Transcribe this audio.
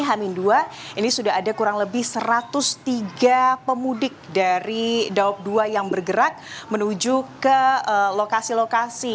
hamin dua ini sudah ada kurang lebih satu ratus tiga pemudik dari daob dua yang bergerak menuju ke lokasi lokasi